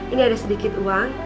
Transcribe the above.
ini ada sedikit uang